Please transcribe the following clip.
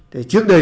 thì trước đây